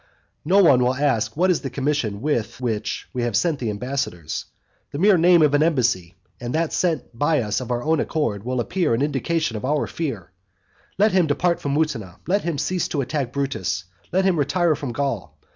No one will ask what is the commission with which we have sent the ambassadors; the mere name of an embassy, and that sent by us of our own accord, will appear an indication of fear. Let him depart from Mutina; let him cease to attack Brutus; let him retire from Gaul.